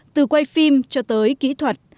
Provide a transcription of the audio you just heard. từ quay phim cho tới kỹ thuật